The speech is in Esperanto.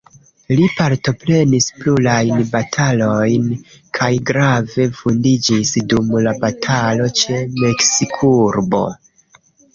Li partoprenis plurajn batalojn, kaj grave vundiĝis dum la batalo ĉe Meksikurbo.